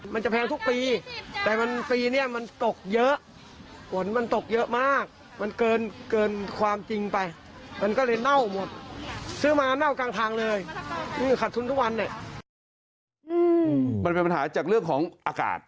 มันเป็นปัญหาจากเรื่องของอากาศ